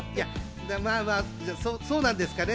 まぁまぁ、そうなんですかね。